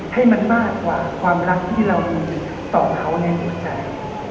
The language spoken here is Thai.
ให้มันมากกว่าความรักที่เรามีต่อเขาในหัวใจ